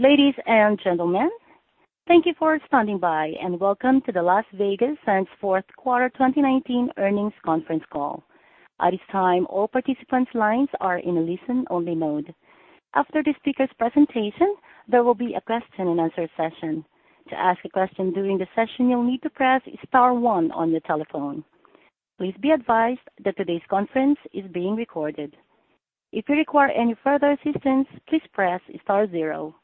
Ladies and gentlemen, thank you for standing by, and welcome to the Las Vegas Sands fourth quarter 2019 earnings conference call. At this time, all participants' lines are in a listen-only mode. After the speakers' presentation, there will be a question-and-answer session. To ask a question during the session, you'll need to press star one on your telephone. Please be advised that today's conference is being recorded. If you require any further assistance, please press star zero.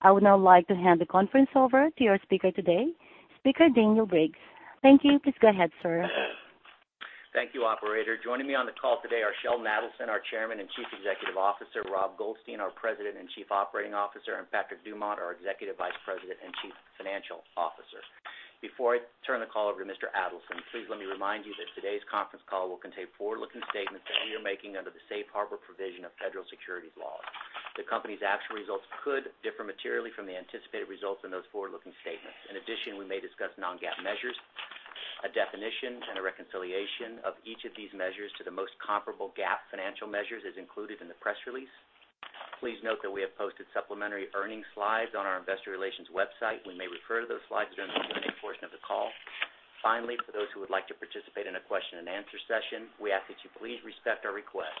I would now like to hand the conference over to our speaker today, Speaker Daniel Briggs. Thank you. Please go ahead, sir. Thank you, operator. Joining me on the call today are Sheldon Adelson, our Chairman and Chief Executive Officer, Rob Goldstein, our President and Chief Operating Officer, and Patrick Dumont, our Executive Vice President and Chief Financial Officer. Before I turn the call over to Mr. Adelson, please let me remind you that today's conference call will contain forward-looking statements that we are making under the Safe Harbor provision of federal securities laws. The company's actual results could differ materially from the anticipated results in those forward-looking statements. In addition, we may discuss non-GAAP measures. A definition and a reconciliation of each of these measures to the most comparable GAAP financial measures is included in the press release. Please note that we have posted supplementary earnings slides on our Investor Relations website. We may refer to those slides during the Q&A portion of the call. Finally, for those who would like to participate in a question-and-answer session, we ask that you please respect our request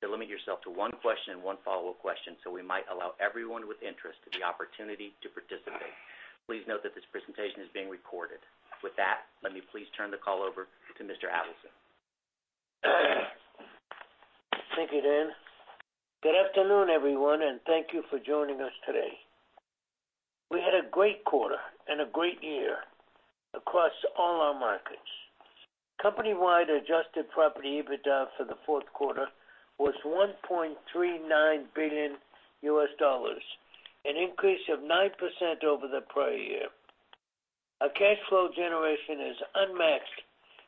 to limit yourself to one question and one follow-up question so we might allow everyone with interest the opportunity to participate. Please note that this presentation is being recorded. With that, let me please turn the call over to Mr. Adelson. Thank you, Dan. Good afternoon, everyone, and thank you for joining us today. We had a great quarter and a great year across all our markets. Company-wide adjusted property EBITDA for the fourth quarter was $1.39 billion, an increase of 9% over the prior year. Our cash flow generation is unmatched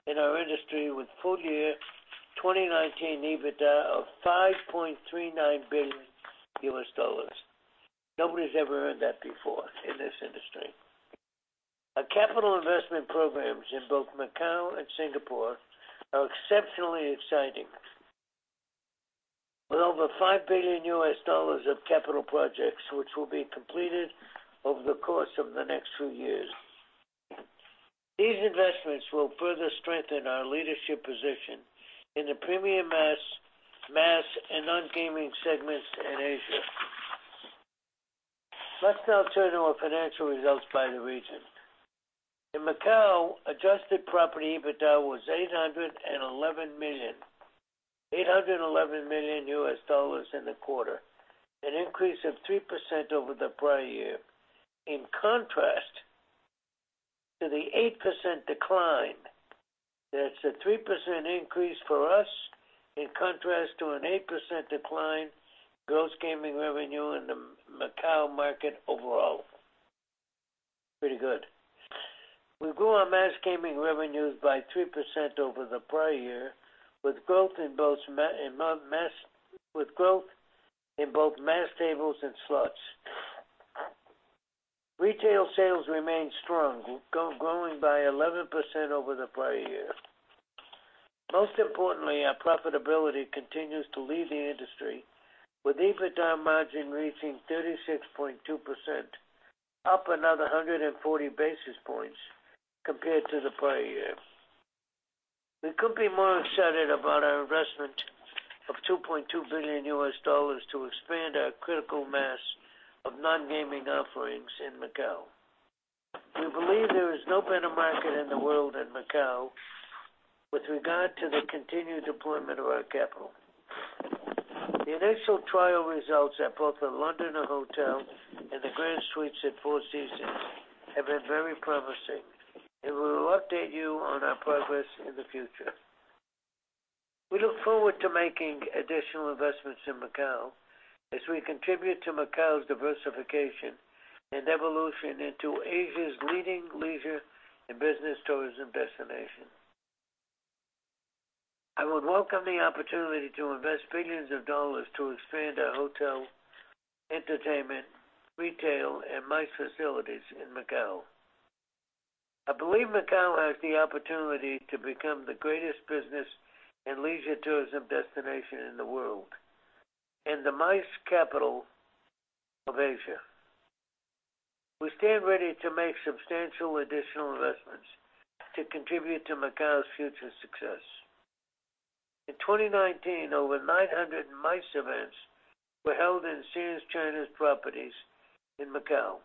in our industry, with full-year 2019 EBITDA of $5.39 billion. Nobody's ever earned that before in this industry. Our capital investment programs in both Macao and Singapore are exceptionally exciting. With over $5 billion of capital projects, which will be completed over the course of the next few years. These investments will further strengthen our leadership position in the premium mass, and non-gaming segments in Asia. Let's now turn to our financial results by the region. In Macao, adjusted property EBITDA was $811 million in the quarter, an increase of 3% over the prior year. In contrast to the 8% decline, that's a 3% increase for us in contrast to an 8% decline gross gaming revenue in the Macao market overall. Pretty good. We grew our mass gaming revenues by 3% over the prior year with growth in both mass tables and slots. Retail sales remained strong, growing by 11% over the prior year. Most importantly, our profitability continues to lead the industry with EBITDA margin reaching 36.2%, up another 140 basis points compared to the prior year. We couldn't be more excited about our investment of $2.2 billion to expand our critical mass of non-gaming offerings in Macao. We believe there is no better market in the world than Macao with regard to the continued deployment of our capital. The initial trial results at both The Londoner Hotel and the Grand Suites at Four Seasons have been very promising, and we will update you on our progress in the future. We look forward to making additional investments in Macao as we contribute to Macao's diversification and evolution into Asia's leading leisure and business tourism destination. I would welcome the opportunity to invest billions of dollars to expand our hotel, entertainment, retail, and MICE facilities in Macao. I believe Macao has the opportunity to become the greatest business and leisure tourism destination in the world, and the MICE capital of Asia. We stand ready to make substantial additional investments to contribute to Macao's future success. In 2019, over 900 MICE events were held in Sands China's properties in Macao,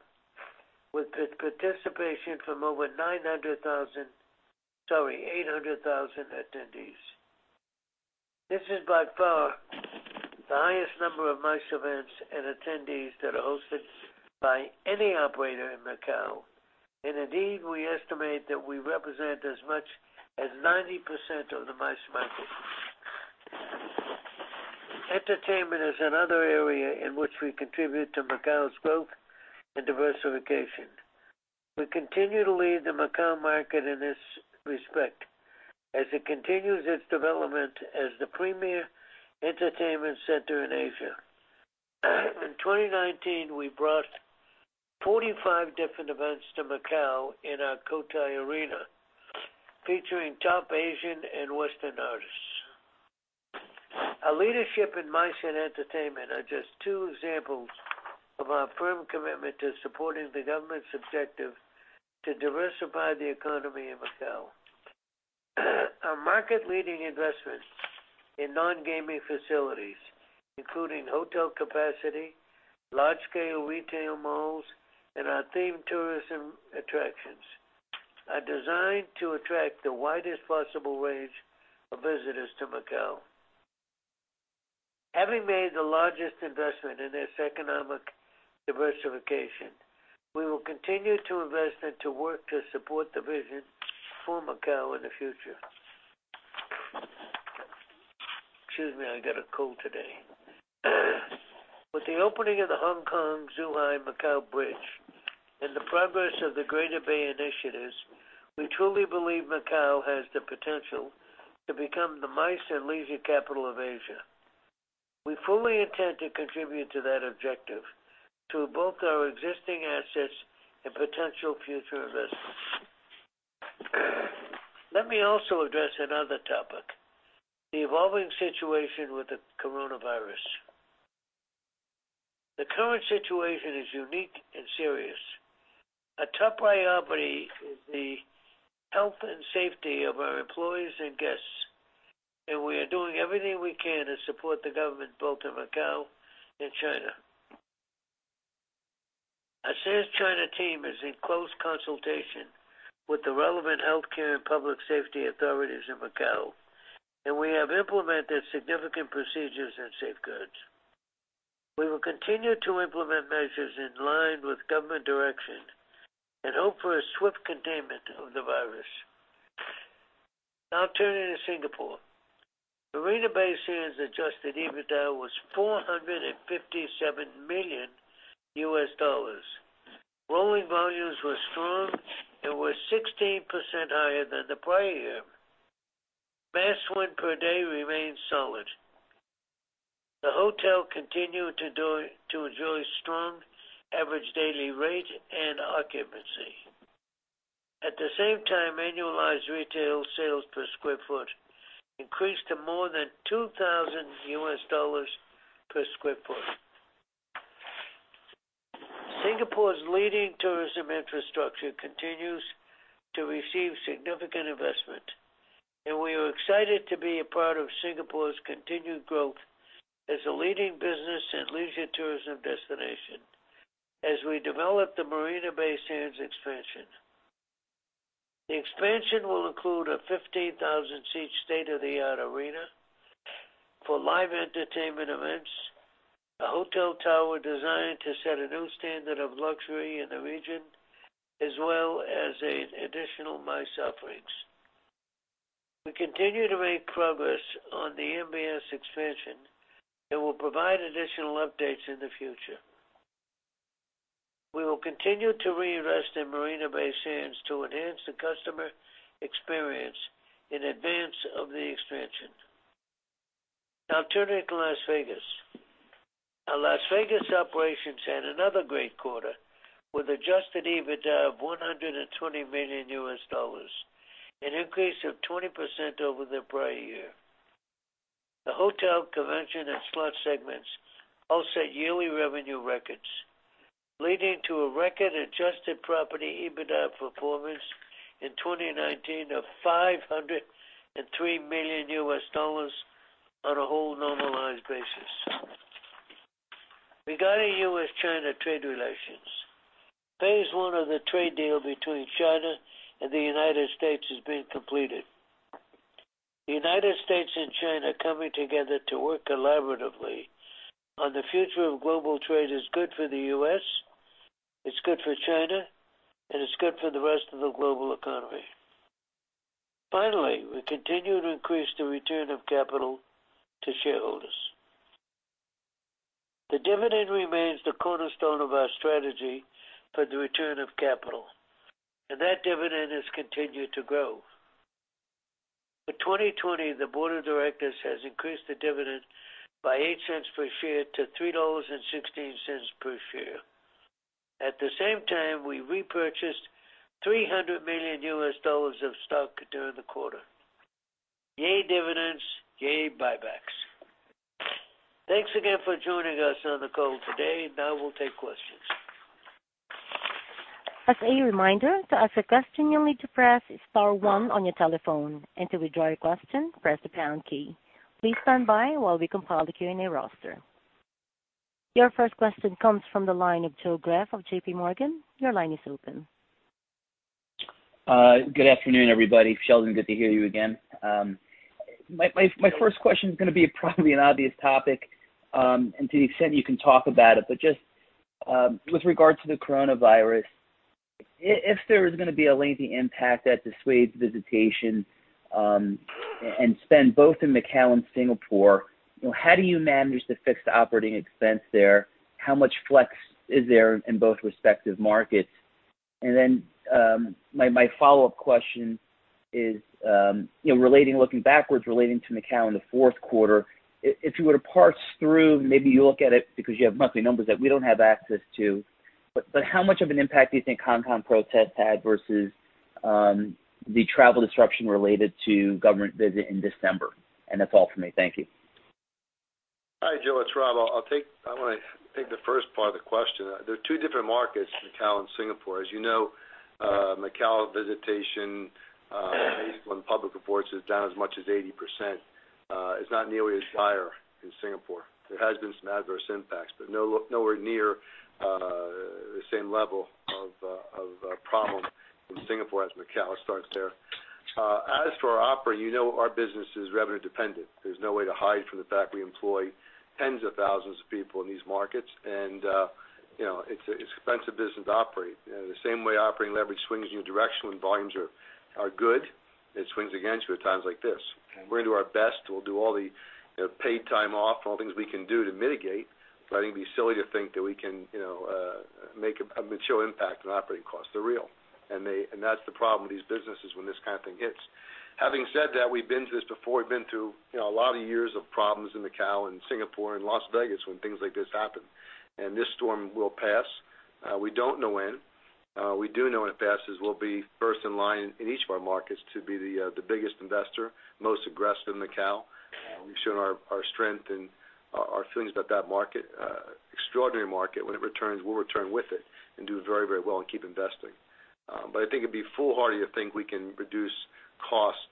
with participation from over 800,000 attendees. This is by far the highest number of MICE events and attendees that are hosted by any operator in Macao, and indeed, we estimate that we represent as much as 90% of the MICE market. Entertainment is another area in which we contribute to Macao's growth and diversification. We continue to lead the Macao market in this respect as it continues its development as the premier entertainment center in Asia. In 2019, we brought 45 different events to Macao in our Cotai Arena, featuring top Asian and Western artists. Our leadership in MICE and entertainment are just two examples of our firm commitment to supporting the government's objective to diversify the economy of Macao. Our market-leading investment in non-gaming facilities, including hotel capacity, large-scale retail malls, and our themed tourism attractions, are designed to attract the widest possible range of visitors to Macao. Having made the largest investment in this economic diversification, we will continue to invest and to work to support the vision for Macao in the future. Excuse me, I got a cold today. With the opening of the Hong Kong-Zhuhai-Macao bridge and the progress of the Greater Bay initiatives, we truly believe Macao has the potential to become the MICE and leisure capital of Asia. We fully intend to contribute to that objective through both our existing assets and potential future investments. Let me also address another topic, the evolving situation with the coronavirus. The current situation is unique and serious. A top priority is the health and safety of our employees and guests, and we are doing everything we can to support the government, both of Macao and China. Our Sands China team is in close consultation with the relevant healthcare and public safety authorities in Macao, and we have implemented significant procedures and safeguards. We will continue to implement measures in line with government direction and hope for a swift containment of the virus. Now turning to Singapore. Marina Bay Sands adjusted EBITDA was $457 million. Rolling volumes were strong and were 16% higher than the prior year. Mass win per day remains solid. The hotel continued to enjoy strong average daily rate and occupancy. At the same time, annualized retail sales per square foot increased to more than $2,000 per square foot. Singapore's leading tourism infrastructure continues to receive significant investment, and we are excited to be a part of Singapore's continued growth as a leading business and leisure tourism destination as we develop the Marina Bay Sands expansion. The expansion will include a 15,000-seat state-of-the-art arena for live entertainment events, a hotel tower designed to set a new standard of luxury in the region, as well as additional MICE offerings. We continue to make progress on the MBS expansion and will provide additional updates in the future. We will continue to reinvest in Marina Bay Sands to enhance the customer experience in advance of the expansion. Turning to Las Vegas. Our Las Vegas operations had another great quarter, with adjusted EBITDA of $120 million, an increase of 20% over the prior year. The hotel, convention, and slot segments all set yearly revenue records, leading to a record adjusted property EBITDA performance in 2019 of $503 million on a whole normalized basis. Regarding U.S.-China trade relations, Phase 1 of the trade deal between China and the United States has been completed. The United States and China coming together to work collaboratively on the future of global trade is good for the U.S., it's good for China, and it's good for the rest of the global economy. We continue to increase the return of capital to shareholders. The dividend remains the cornerstone of our strategy for the return of capital, and that dividend has continued to grow. For 2020, the board of directors has increased the dividend by $0.08 per share to $3.16 per share. At the same time, we repurchased $300 million of stock during the quarter. Yay, dividends. Yay, buybacks. Thanks again for joining us on the call today. Now we'll take questions. As a reminder, to ask a question, you'll need to press star one on your telephone. To withdraw your question, press the pound key. Please stand by while we compile the Q&A roster. Your first question comes from the line of Joe Greff of JPMorgan. Your line is open. Good afternoon, everybody. Sheldon, good to hear you again. My first question is going to be probably an obvious topic and to the extent you can talk about it, but just with regard to the coronavirus, if there is going to be a lengthy impact that dissuades visitation and spend both in Macao and Singapore, how do you manage the fixed operating expense there? How much flex is there in both respective markets? My follow-up question is looking backwards relating to Macao in the fourth quarter. If you were to parse through, maybe you look at it because you have monthly numbers that we don't have access to, but how much of an impact do you think Hong Kong protests had versus the travel disruption related to government visit in December? That's all from me. Thank you. Hi, Joe. It's Rob. I'm going to take the first part of the question. They're two different markets, Macao and Singapore. As you know Macao visitation, based on public reports, is down as much as 80%. It's not nearly as dire in Singapore. There has been some adverse impacts, nowhere near the same level of problems in Singapore as Macao starts there. As for our operating, you know our business is revenue dependent. There's no way to hide from the fact we employ tens of thousands of people in these markets. It's an expensive business to operate. The same way operating leverage swings in your direction when volumes are good, it swings against you at times like this. We're going to do our best. We'll do all the paid time off, all the things we can do to mitigate. I think it'd be silly to think that we can make a material impact on operating costs. They're real, and that's the problem with these businesses when this kind of thing hits. Having said that, we've been through this before. We've been through a lot of years of problems in Macao and Singapore and Las Vegas when things like this happen, and this storm will pass. We don't know when. We do know when it passes, we'll be first in line in each of our markets to be the biggest investor, most aggressive in Macao. We've shown our strength and our feelings about that market. Extraordinary market. When it returns, we'll return with it and do very well and keep investing. I think it'd be foolhardy to think we can reduce costs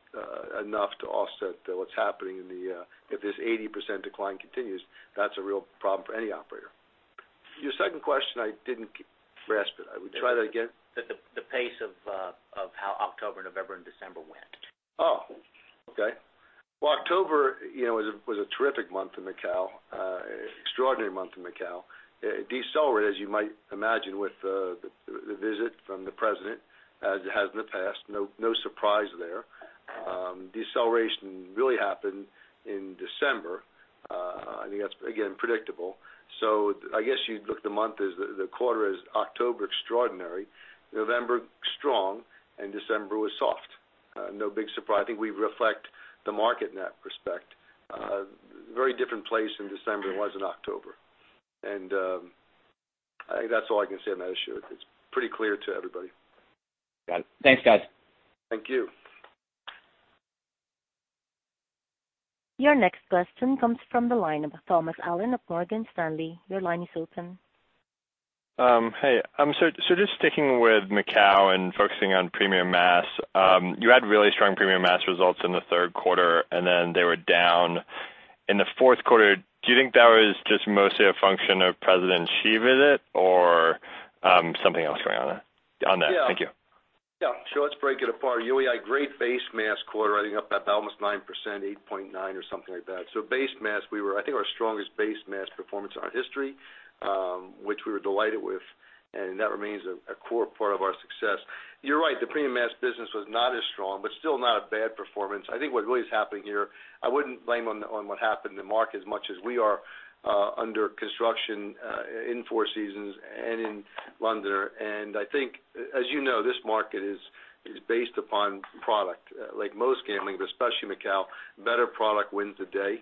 enough to offset what's happening if this 80% decline continues. That's a real problem for any operator. Your second question I didn't grasp it. Try that again. The pace of how October, November, and December went. Oh, okay. Well, October was a terrific month in Macao, extraordinary month in Macao. It decelerated, as you might imagine, with the visit from the President, as it has in the past. No surprise there. Deceleration really happened in December. I think that's, again, predictable. I guess you'd look at the quarter as October, extraordinary. November, strong, and December was soft. No big surprise. I think we reflect the market in that respect. Very different place in December than it was in October. I think that's all I can say on that issue. It's pretty clear to everybody. Got it. Thanks, guys. Thank you. Your next question comes from the line of Thomas Allen of Morgan Stanley. Your line is open. Hey. Just sticking with Macao and focusing on premium mass. You had really strong premium mass results in the third quarter, and then they were down in the fourth quarter. Do you think that was just mostly a function of President Xi visit or something else going on there? Thank you. Yeah. Let's break it apart. You had a great base mass quarter, I think up about almost 9%, 8.9% or something like that. Base mass, I think our strongest base mass performance in our history, which we were delighted with, and that remains a core part of our success. You're right, the premium mass business was not as strong, but still not a bad performance. I think what really is happening here, I wouldn't blame on what happened in the market as much as we are under construction in Four Seasons and in Londoner. I think, as you know, this market is based upon product. Like most gambling, but especially Macao, better product wins the day.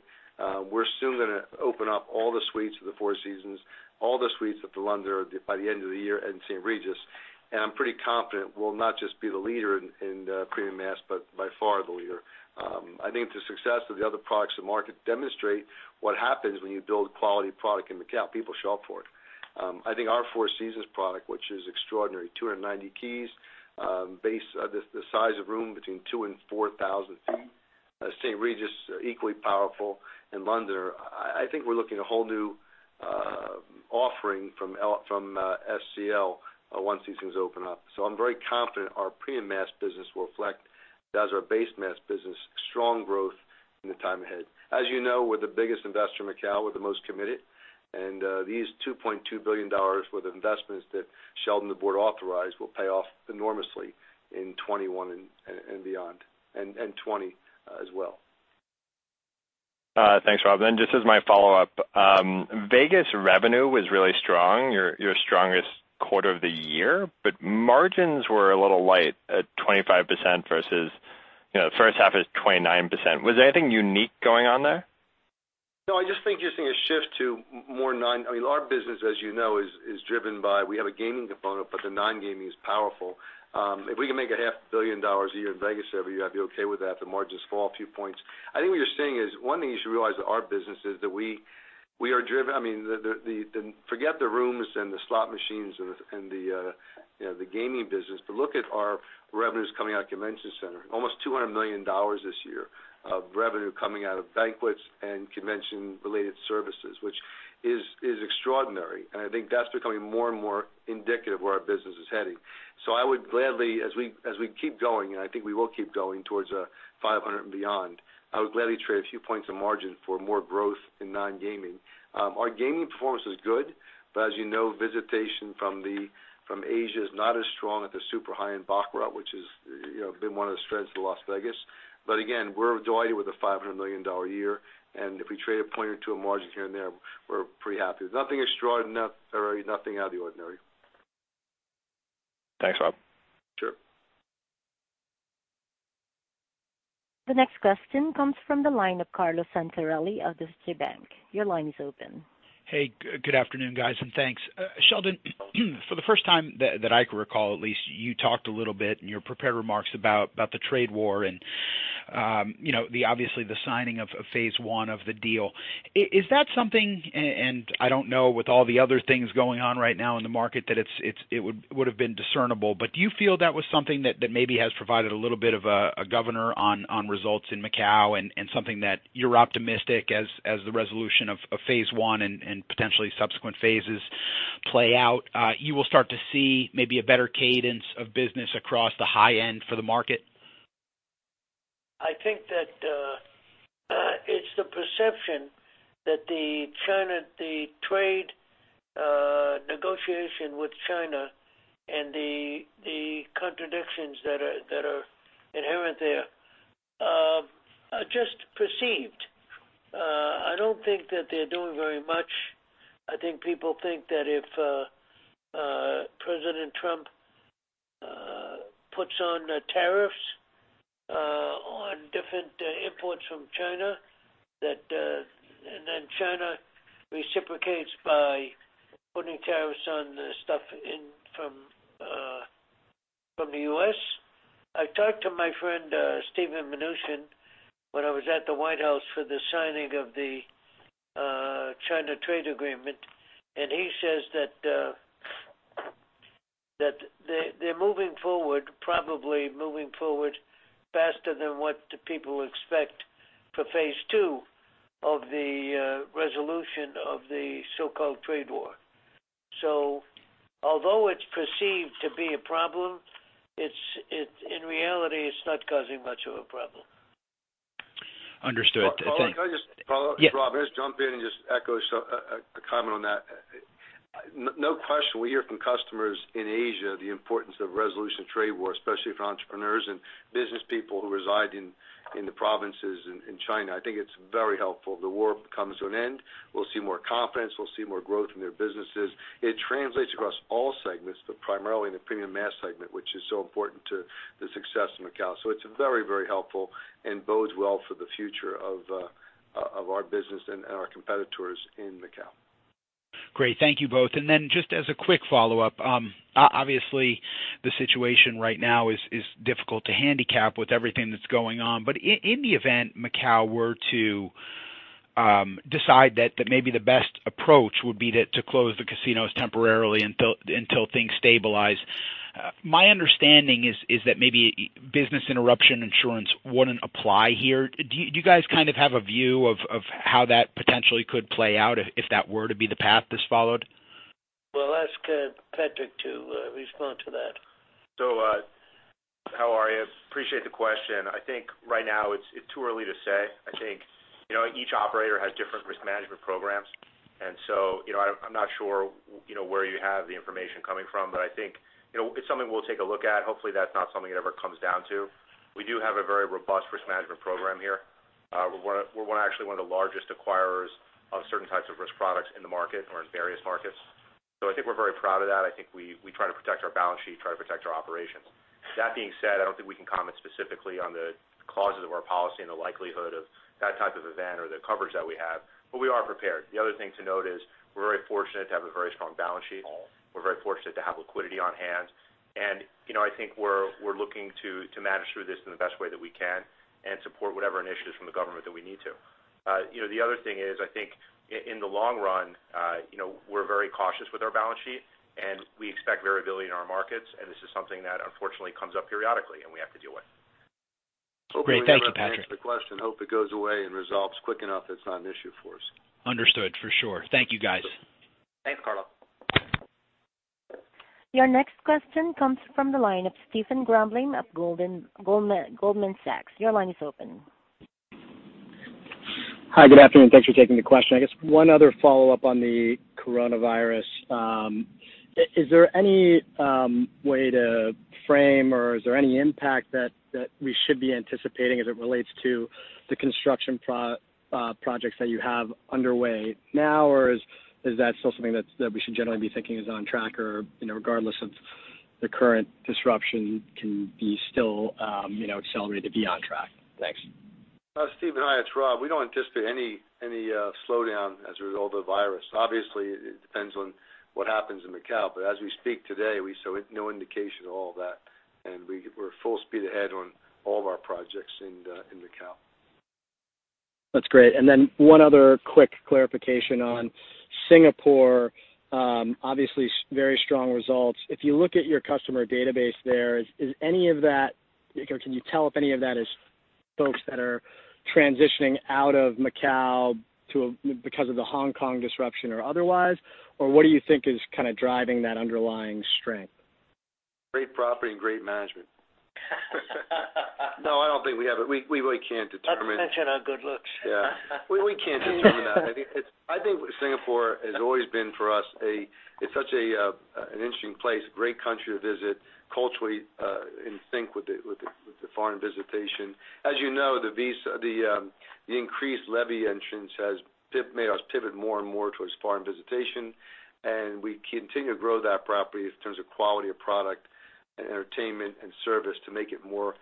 We're soon going to open up all the suites of the Four Seasons, all the suites at the Londoner by the end of the year, and St. Regis. I'm pretty confident we'll not just be the leader in premium mass, but by far the leader. I think the success of the other products in the market demonstrate what happens when you build quality product in Macao. People show up for it. I think our Four Seasons product, which is extraordinary, 290 keys, the size of room between 2,000 ft and 4,000 ft. St. Regis, equally powerful. In Londoner, I think we're looking at a whole new offering from SCL once these things open up. I'm very confident our premium mass business will reflect, as does our base mass business, strong growth in the time ahead. As you know, we're the biggest investor in Macao. We're the most committed. These $2.2 billion worth of investments that Sheldon, the board authorized, will pay off enormously in 2021 and beyond, and in 2020 as well. Thanks, Rob. Just as my follow-up, Vegas revenue was really strong, your strongest quarter of the year, but margins were a little light at 25% versus first half is 29%. Was there anything unique going on there? No, I just think you're seeing a shift to more. I mean, our business, as you know, is driven by, we have a gaming component, but the non-gaming is powerful. If we can make a $500 million a year in Las Vegas, I'd be okay with that, the margins fall a few points. I think what you're seeing is, one thing you should realize with our business is that forget the rooms and the slot machines and the gaming business, but look at our revenues coming out convention center. Almost $200 million this year of revenue coming out of banquets and convention-related services, which is extraordinary. I think that's becoming more and more indicative of where our business is heading. I would gladly, as we keep going, and I think we will keep going towards $500 million and beyond, I would gladly trade a few points of margin for more growth in non-gaming. Our gaming performance is good, as you know, visitation from Asia is not as strong. Super high-end baccarat, which has been one of the strengths of Las Vegas. Again, we're delighted with the $500 million a year, and if we trade a point or two of margin here and there, we're pretty happy. Nothing extraordinary, nothing out of the ordinary. Thanks, Rob. Sure. The next question comes from the line of Carlo Santarelli of Deutsche Bank. Your line is open. Hey, good afternoon, guys, and thanks. Sheldon, for the first time that I can recall at least, you talked a little bit in your prepared remarks about the trade war and obviously the signing of Phase 1 of the deal. Is that something, and I don't know, with all the other things going on right now in the market, that it would've been discernible, but do you feel that was something that maybe has provided a little bit of a governor on results in Macao and something that you're optimistic as the resolution of Phase 1 and potentially subsequent phases play out, you will start to see maybe a better cadence of business across the high end for the market? I think that it's the perception that the trade negotiation with China and the contradictions that are inherent there, are just perceived. I don't think that they're doing very much. I think people think that if President Trump puts on the tariffs on different imports from China, and then China reciprocates by putting tariffs on the stuff in from the U.S. I talked to my friend, Steven Mnuchin, when I was at the White House for the signing of the China trade agreement, and he says that they're moving forward, probably moving forward faster than what the people expect for Phase 2 of the resolution of the so-called trade war. Although it's perceived to be a problem, in reality, it's not causing much of a problem. Understood. Carlo, Yeah. Rob, just jump in and just echo a comment on that. No question, we hear from customers in Asia the importance of resolution of trade war, especially for entrepreneurs and business people who reside in the provinces in China. I think it's very helpful. The war comes to an end. We'll see more confidence. We'll see more growth in their businesses. It translates across all segments, but primarily in the premium mass segment, which is so important to the success in Macao. It's very, very helpful and bodes well for the future of our business and our competitors in Macao. Great. Thank you both. Just as a quick follow-up, obviously, the situation right now is difficult to handicap with everything that's going on. In the event Macao were to decide that maybe the best approach would be to close the casinos temporarily until things stabilize, my understanding is that maybe business interruption insurance wouldn't apply here. Do you guys have a view of how that potentially could play out if that were to be the path that's followed? We'll ask Patrick to respond to that. How are you? Appreciate the question. I think right now it's too early to say. I think each operator has different risk management programs, and so I'm not sure where you have the information coming from. I think it's something we'll take a look at. Hopefully, that's not something it ever comes down to. We do have a very robust risk management program here. We're actually one of the largest acquirers of certain types of risk products in the market or in various markets. I think we're very proud of that. I think we try to protect our balance sheet, try to protect our operations. That being said, I don't think we can comment specifically on the clauses of our policy and the likelihood of that type of event or the coverage that we have. We are prepared. The other thing to note is we're very fortunate to have a very strong balance sheet. We're very fortunate to have liquidity on hand, and I think we're looking to manage through this in the best way that we can and support whatever initiatives from the government that we need to. The other thing is, I think, in the long run, we're very cautious with our balance sheet, and we expect variability in our markets, and this is something that unfortunately comes up periodically and we have to deal with. Great. Thank you, Patrick. Hopefully, we don't have to answer the question. Hope it goes away and resolves quick enough that it's not an issue for us. Understood. For sure. Thank you, guys. Thanks, Carlo. Your next question comes from the line of Stephen Grambling of Goldman Sachs. Your line is open. Hi, good afternoon. Thanks for taking the question. I guess one other follow-up on the coronavirus. Is there any way to frame, or is there any impact that we should be anticipating as it relates to the construction projects that you have underway now, or is that still something that we should generally be thinking is on track or regardless of the current disruption can be still accelerated to be on track? Thanks. Stephen. Hi, it's Rob. We don't anticipate any slowdown as a result of the coronavirus. Obviously, it depends on what happens in Macao. As we speak today, we see no indication of all that, and we're full speed ahead on all of our projects in Macao. That's great. One other quick clarification on Singapore. Obviously, very strong results. If you look at your customer database there, can you tell if any of that is folks that are transitioning out of Macao because of the Hong Kong disruption or otherwise, or what do you think is kind of driving that underlying strength? Great property and great management. Yeah, we really can't determine. Not to mention our good looks. We can't determine that. I think Singapore has always been, for us, it's such an interesting place, a great country to visit, culturally in sync with the foreign visitation. As you know, the increased levy entrance has made us pivot more and more towards foreign visitation. We continue to grow that property in terms of quality of product and entertainment and service to make it more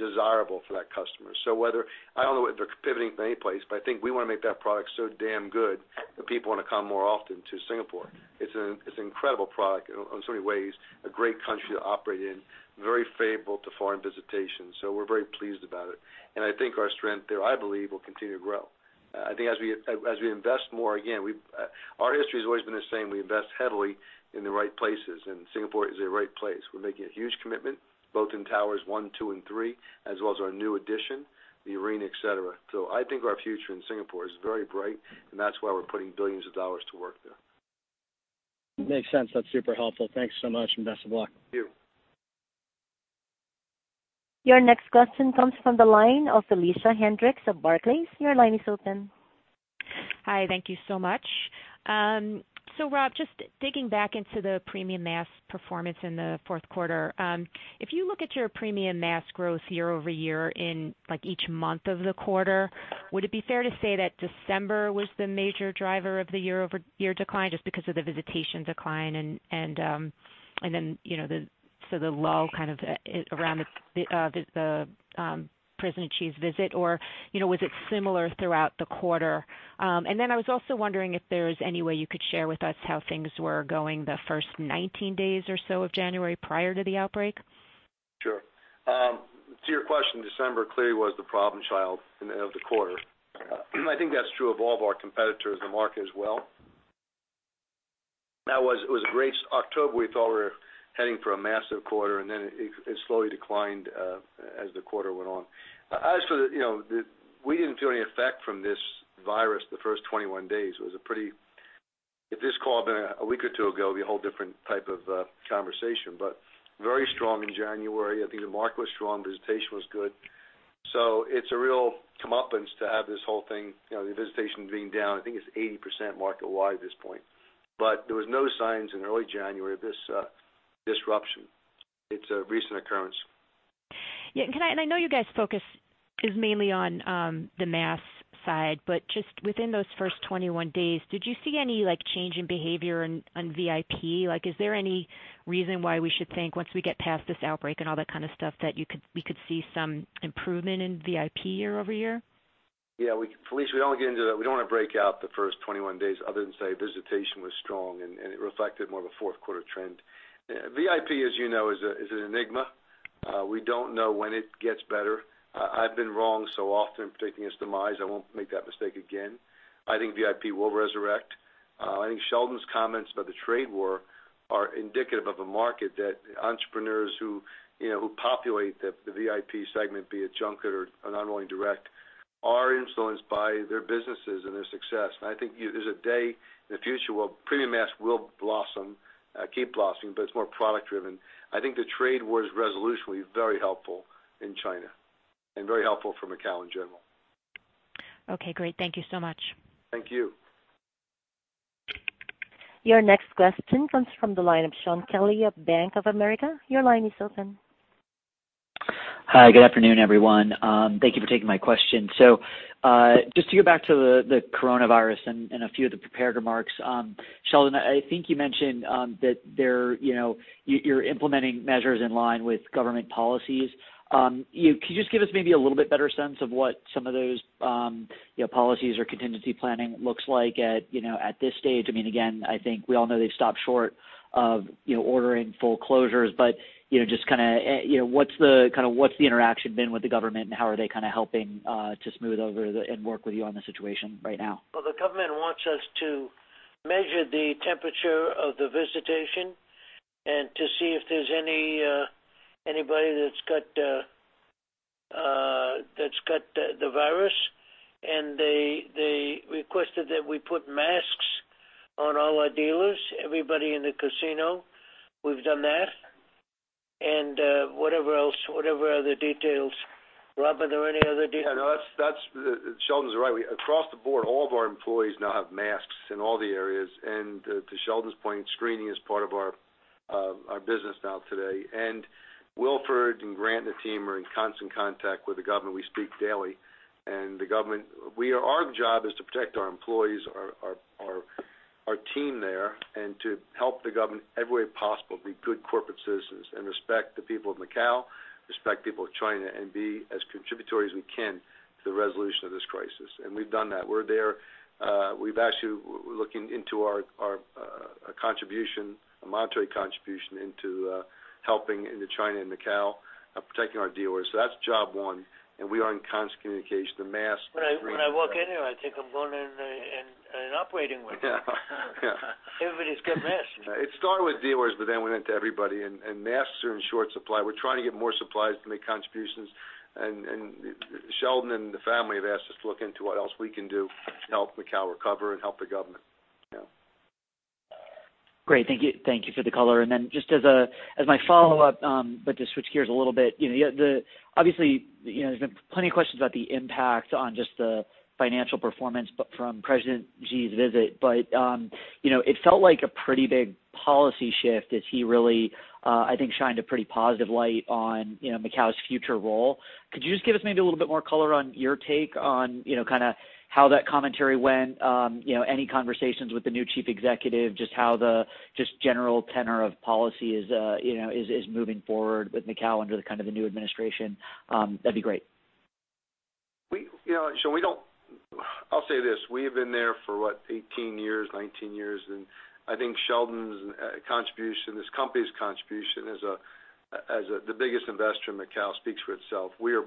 desirable for that customer. I don't know if they're pivoting from any place, but I think we want to make that product so damn good that people want to come more often to Singapore. It's an incredible product in so many ways, a great country to operate in, very favorable to foreign visitation. We're very pleased about it. I think our strength there, I believe, will continue to grow. I think as we invest more, again, our history has always been the same. We invest heavily in the right places. Singapore is the right place. We're making a huge commitment, both in Towers One, Two and Three, as well as our new addition, the arena, et cetera. I think our future in Singapore is very bright, and that's why we're putting billions of dollars to work there. Makes sense. That's super helpful. Thanks so much, and best of luck. Thank you. Your next question comes from the line of Felicia Hendrix of Barclays. Your line is open. Hi. Thank you so much. Rob, just digging back into the premium mass performance in the fourth quarter. If you look at your premium mass growth year-over-year in each month of the quarter, would it be fair to say that December was the major driver of the year-over-year decline, just because of the visitation decline and then, the lull kind of around the President Xi's visit, or was it similar throughout the quarter? I was also wondering if there is any way you could share with us how things were going the first 19 days or so of January prior to the outbreak? Sure. To your question, December clearly was the problem child of the quarter. I think that's true of all of our competitors in the market as well. It was great. October, we thought we were heading for a massive quarter, and then it slowly declined as the quarter went on. As for that, we didn't feel any effect from this virus the first 21 days. If this call had been a week or two ago, it'd be a whole different type of conversation. Very strong in January. I think the market was strong, visitation was good. It's a real comeuppance to have this whole thing, the visitation being down. I think it's 80% market-wide at this point. There were no signs in early January of this disruption. It's a recent occurrence. Yeah. I know you guys' focus is mainly on the mass side, but just within those first 21 days, did you see any change in behavior on VIP? Is there any reason why we should think once we get past this outbreak and all that kind of stuff, that we could see some improvement in VIP year-over-year? Felicia, we don't get into that. We don't want to break out the first 21 days other than say, visitation was strong, and it reflected more of a fourth quarter trend. VIP, as you know, is an enigma. We don't know when it gets better. I've been wrong so often predicting its demise, I won't make that mistake again. I think VIP will resurrect. I think Sheldon's comments about the trade war are indicative of a market that entrepreneurs who populate the VIP segment, be it junket or not only direct, are influenced by their businesses and their success. I think there's a day in the future where premium mass will blossom, keep blossoming, but it's more product driven. I think the trade war's resolution will be very helpful in China and very helpful for Macao in general. Okay, great. Thank you so much. Thank you. Your next question comes from the line of Shaun Kelley at Bank of America. Your line is open. Hi. Good afternoon, everyone. Thank you for taking my question. Just to go back to the coronavirus and a few of the prepared remarks. Sheldon, I think you mentioned that you're implementing measures in line with government policies. Can you just give us maybe a little bit better sense of what some of those policies or contingency planning looks like at this stage? I mean, again, I think we all know they've stopped short of ordering full closures, but what's the interaction been with the government, and how are they helping to smooth over and work with you on the situation right now? The government wants us to measure the temperature of the visitation and to see if there's anybody that's got the virus, and they requested that we put masks on all our dealers, everybody in the casino. We've done that, and whatever other details. Rob, are there any other details? Yeah, no. Sheldon's right. Across the board, all of our employees now have masks in all the areas. To Sheldon's point, screening is part of our business now today. Wilfred and Grant and the team are in constant contact with the government. We speak daily. Our job is to protect our employees, our team there, and to help the government every way possible, be good corporate citizens, and respect the people of Macao, respect people of China, and be as contributory as we can to the resolution of this crisis. We've done that. We're there. We're looking into our contribution, a monetary contribution into helping into China and Macao, protecting our dealers. That's job one, and we are in constant communication. When I walk in here, I think I'm going in an operating room. Yeah. Everybody's got masks. It started with dealers, but then went into everybody, and masks are in short supply. We're trying to get more supplies to make contributions. Sheldon and the family have asked us to look into what else we can do to help Macao recover and help the government. Great. Thank you for the color. Then just as my follow-up, but to switch gears a little bit. Obviously, there's been plenty of questions about the impact on just the financial performance, but from President Xi's visit. It felt like a pretty big policy shift as he really, I think, shined a pretty positive light on Macao's future role. Could you just give us maybe a little bit more color on your take on how that commentary went, any conversations with the new chief executive, just how the just general tenor of policy is moving forward with Macao under the new administration? That'd be great. I'll say this. We have been there for what? 18 years, 19 years. I think Sheldon's contribution, this company's contribution as the biggest investor in Macao speaks for itself. We are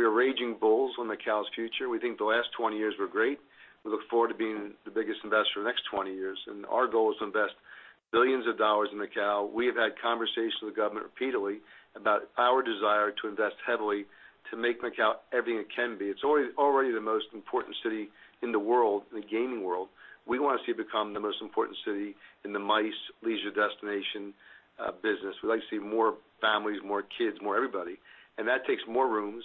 raging bulls on Macao's future. We think the last 20 years were great. We look forward to being the biggest investor the next 20 years, and our goal is to invest billions of dollars in Macao. We have had conversations with the government repeatedly about our desire to invest heavily to make Macao everything it can be. It's already the most important city in the world, in the gaming world. We want to see it become the most important city in the MICE leisure destination business. We'd like to see more families, more kids, more everybody. That takes more rooms.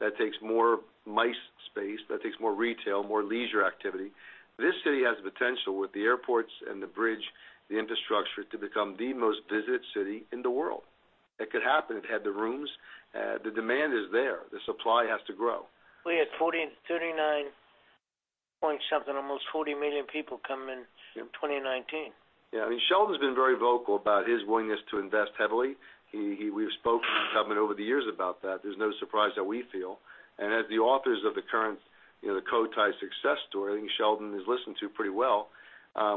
That takes more MICE space. That takes more retail, more leisure activity. This city has the potential with the airports and the bridge, the infrastructure, to become the most visited city in the world. It could happen. It had the rooms. The demand is there. The supply has to grow. We had 39 point something, almost 40 million people come in 2019. Yeah, Sheldon's been very vocal about his willingness to invest heavily. We've spoken to the government over the years about that. There's no surprise how we feel. As the authors of the current Cotai success story, I think Sheldon is listened to pretty well.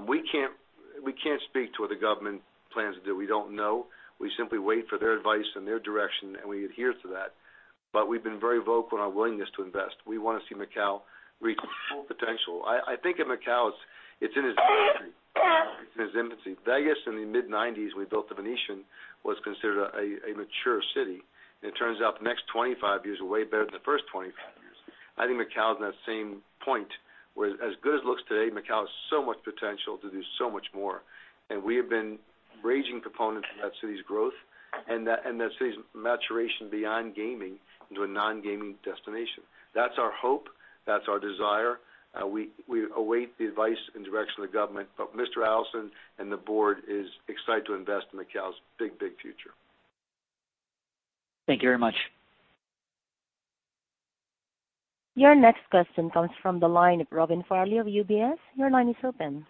We can't speak to what the government plans to do. We don't know. We simply wait for their advice and their direction, and we adhere to that. We've been very vocal in our willingness to invest. We want to see Macao reach its full potential. I think in Macao, it's in its infancy. Vegas in the mid-1990s, we built The Venetian, was considered a mature city, and it turns out the next 25 years were way better than the first 25 years. I think Macao's in that same point, where as good as it looks today, Macao has so much potential to do so much more. We have been raging proponents of that city's growth and that city's maturation beyond gaming into a non-gaming destination. That's our hope. That's our desire. We await the advice and direction of the government, Mr. Adelson and the board is excited to invest in Macao's big, big future. Thank you very much. Your next question comes from the line of Robin Farley of UBS. Your line is open.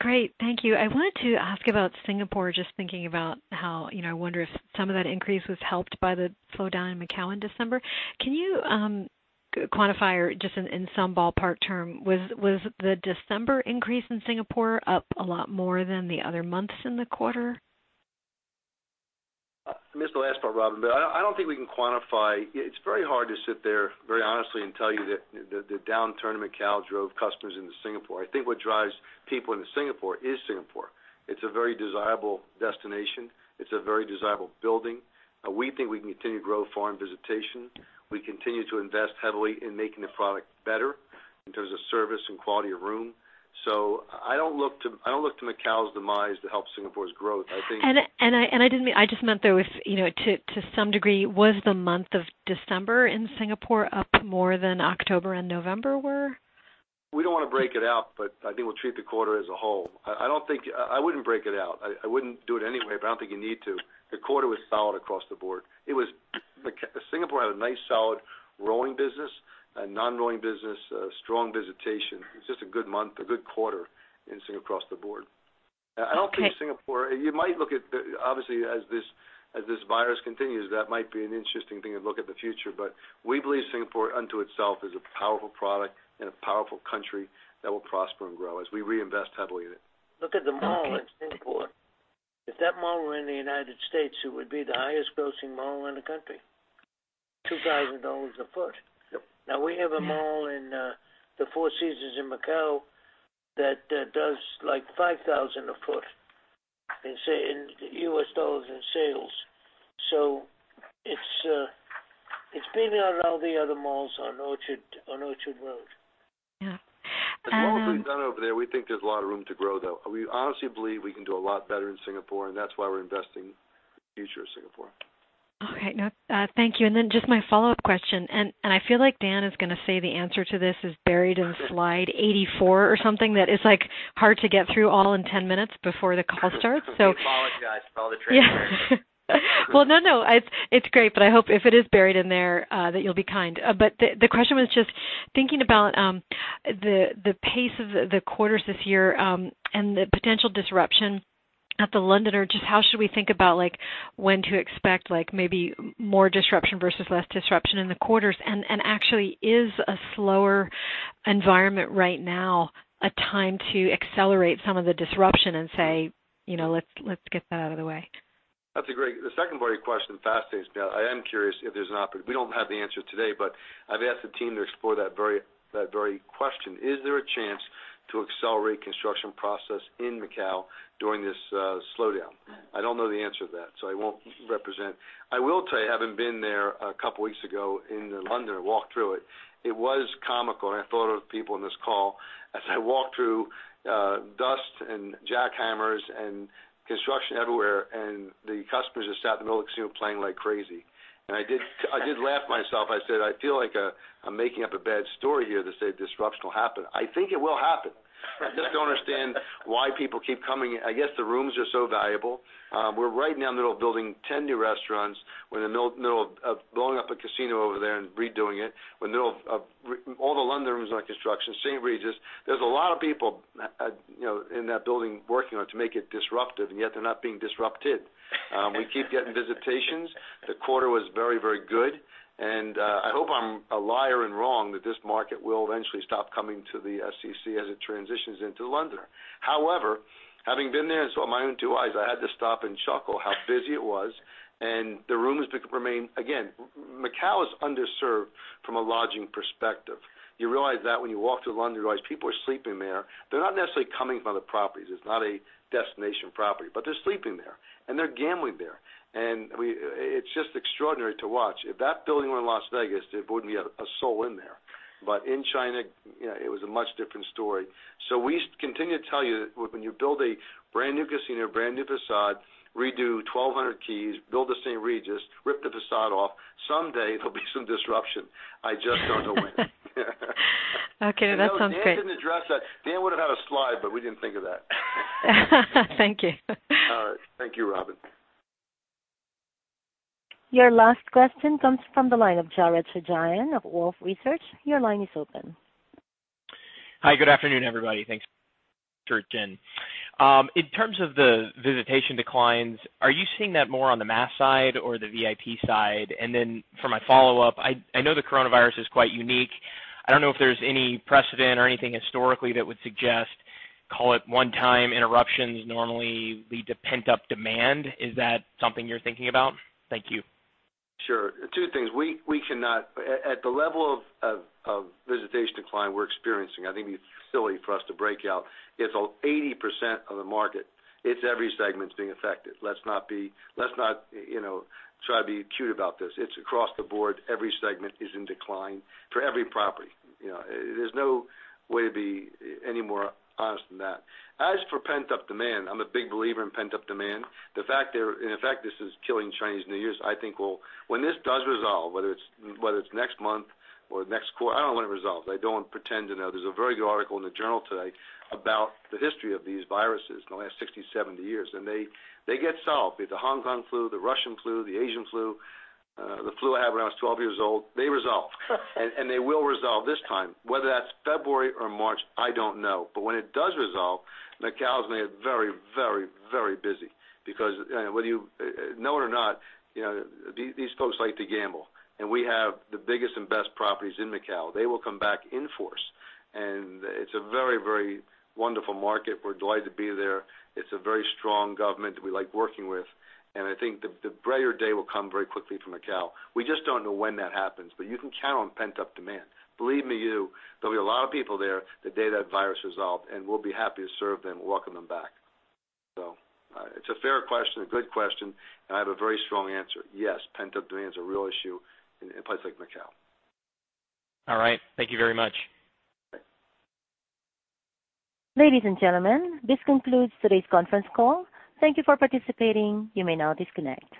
Great. Thank you. I wanted to ask about Singapore, just thinking about how, I wonder if some of that increase was helped by the slowdown in Macao in December. Can you quantify or just in some ballpark term, was the December increase in Singapore up a lot more than the other months in the quarter? I missed the last part, Robin. I don't think we can quantify. It's very hard to sit there very honestly and tell you that the downturn in Macao drove customers into Singapore. I think what drives people into Singapore is Singapore. It's a very desirable destination. It's a very desirable building. We think we can continue to grow foreign visitation. We continue to invest heavily in making the product better in terms of service and quality of room. I don't look to Macao's demise to help Singapore's growth. I just meant though if, to some degree, was the month of December in Singapore up more than October and November were? We don't want to break it out, but I think we'll treat the quarter as a whole. I wouldn't break it out. I wouldn't do it anyway, but I don't think you need to. The quarter was solid across the board. Singapore had a nice, solid rolling business, a non-rolling business, strong visitation. It was just a good month, a good quarter in Singapore across the board. Okay. You might look at, obviously as this virus continues, that might be an interesting thing to look at the future, but we believe Singapore unto itself is a powerful product and a powerful country that will prosper and grow as we reinvest heavily in it. Okay. Look at the mall in Singapore. If that mall were in the United States, it would be the highest grossing mall in the country. $2,000 a foot. Yep. Now we have a mall in the Four Seasons in Macao that does like $5,000 a foot in U.S. dollars in sales. It's beating out all the other malls on Orchard Road. Yeah. As well as we've done over there, we think there's a lot of room to grow, though. We honestly believe we can do a lot better in Singapore, and that's why we're investing in the future of Singapore. Okay. Thank you. Just my follow-up question, and I feel like Dan is going to say the answer to this is buried in slide 84 or something, that it's hard to get through all in 10 minutes before the call starts. We apologize for all the transparency. Well, no. It's great, but I hope if it is buried in there, that you'll be kind. The question was just thinking about the pace of the quarters this year, and the potential disruption at The Londoner. Just how should we think about when to expect maybe more disruption versus less disruption in the quarters? Actually, is a slower environment right now a time to accelerate some of the disruption and say, "Let's get that out of the way"? The second part of your question fascinates me. I am curious if there's an opportunity. We don't have the answer today, but I've asked the team to explore that very question. Is there a chance to accelerate construction process in Macao during this slowdown. I don't know the answer to that, so I won't represent. I will tell you, having been there a couple of weeks ago in The London, walked through it was comical, and I thought of people on this call as I walked through dust and jackhammers and construction everywhere, and the customers just sat in the middle of the casino playing like crazy. I did laugh myself. I said, "I feel like I'm making up a bad story here to say disruption will happen." I think it will happen. I just don't understand why people keep coming. I guess the rooms are so valuable. We're right now in the middle of building 10 new restaurants. We're in the middle of blowing up a casino over there and redoing it. We're in the middle of all The Londoner rooms are under construction, St. Regis. There's a lot of people in that building working on it to make it disruptive, and yet they're not being disrupted. We keep getting visitations. The quarter was very, very good, and I hope I'm a liar and wrong, that this market will eventually stop coming to the SCC as it transitions into The Londoner. However, having been there and saw with my own two eyes, I had to stop and chuckle how busy it was, and the rooms remain. Again, Macao is underserved from a lodging perspective. You realize that when you walk through The Londoner, you realize people are sleeping there. They're not necessarily coming for the properties. It's not a destination property. They're sleeping there, and they're gambling there. It's just extraordinary to watch. If that building were in Las Vegas, there wouldn't be a soul in there. In China, it was a much different story. We continue to tell you that when you build a brand-new casino, brand-new facade, redo 1,200 keys, build a St. Regis, rip the facade off, someday there'll be some disruption. I just don't know when. Okay, that sounds great. Dan didn't address that. Dan would've had a slide, but we didn't think of that. Thank you. All right. Thank you, Robin. Your last question comes from the line of Jared Shojaian of Wolfe Research. Your line is open. Hi, good afternoon, everybody. Thanks for the opportunity. In terms of the visitation declines, are you seeing that more on the mass side or the VIP side? For my follow-up, I know the coronavirus is quite unique. I don't know if there's any precedent or anything historically that would suggest, call it, one-time interruptions normally lead to pent-up demand. Is that something you're thinking about? Thank you. Sure. Two things. At the level of visitation decline we're experiencing, I think it's silly for us to break out. It's 80% of the market. It's every segment being affected. Let's not try to be cute about this. It's across the board. Every segment is in decline for every property. There's no way to be any more honest than that. As for pent-up demand, I'm a big believer in pent-up demand. In fact, this is killing Chinese New Year. I think when this does resolve, whether it's next month or next quarter, I don't know when it resolves. I don't pretend to know. There's a very good article in the journal today about the history of these viruses in the last 60, 70 years, and they get solved. Be it the Hong Kong flu, the Russian flu, the Asian flu, the flu I had when I was 12 years old, they resolve. They will resolve this time. Whether that's February or March, I don't know. When it does resolve, Macao's going to get very, very, very busy because whether you know it or not, these folks like to gamble, and we have the biggest and best properties in Macao. They will come back in force, and it's a very, very wonderful market. We're delighted to be there. It's a very strong government that we like working with, and I think the brighter day will come very quickly for Macao. We just don't know when that happens. You can count on pent-up demand. Believe me, there'll be a lot of people there the day that virus resolves, and we'll be happy to serve them and welcome them back. It's a fair question, a good question, and I have a very strong answer. Yes, pent-up demand is a real issue in places like Macao. All right. Thank you very much. Okay. Ladies and gentlemen, this concludes today's conference call. Thank you for participating. You may now disconnect.